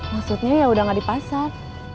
maksudnya ya udah nggak di pasar